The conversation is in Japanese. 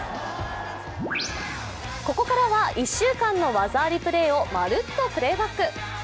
ここからは１週間の技ありプレーをまるっとプレーバック。